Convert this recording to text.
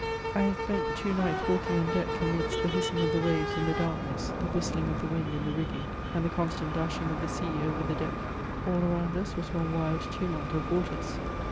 I had spent two nights walking on deck, amidst the hissing of the waves in the darkness, the whistling of the wind in the rig^ng, and the constant dashing of the sea over the deck ; all around us was one wild tumult of waters.